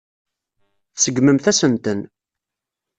Tseggmemt-asen-ten.